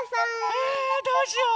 えどうしよう！